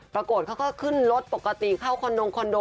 ปรากฏเขาก็ขึ้นรถปกติเข้าคอนโด